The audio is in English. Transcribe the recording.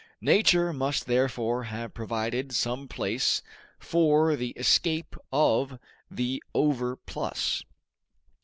Nature must therefore have provided some place for the escape of the overplus.